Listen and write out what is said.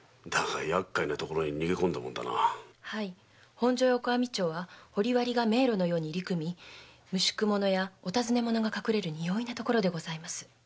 本所横網町は掘り割りが迷路のように入り組み無宿者やお尋ね者が隠れるに容易な所でございます。